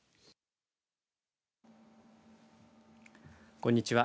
こんにちは。